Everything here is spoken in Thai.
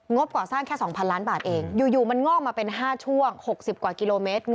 บก่อสร้างแค่๒๐๐ล้านบาทเองอยู่มันงอกมาเป็น๕ช่วง๖๐กว่ากิโลเมตร